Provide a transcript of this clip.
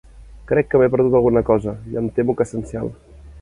Crec que m'he perdut alguna cosa, i em temo que essencial.